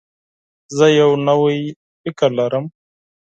زه یو نوی فکر لرم.